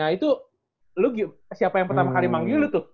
nah itu siapa yang pertama kali manggil lo tuh